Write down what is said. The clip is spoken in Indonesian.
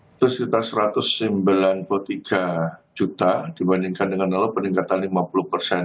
itu sekitar satu ratus sembilan puluh tiga juta dibandingkan dengan lalu peningkatan lima puluh persen